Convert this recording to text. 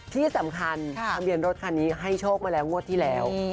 ที่สำคัญทะเบียนรถคันนี้ให้โชคมาแล้วงวดที่แล้ว